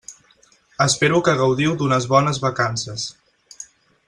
Espero que gaudiu d'unes bones vacances.